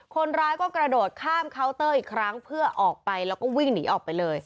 คนร้ายก็กระโดดข้ามเคาน์เตอร์อีกครั้งเพื่อออกไปแล้วก็วิ่งหนีออกไปเลย